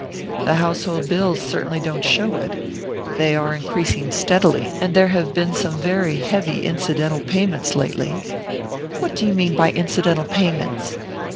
"The household bills certainly don't show it. They are increasing steadily, and there have been some very heavy incidental payments lately." "What do you mean by incidental payments?"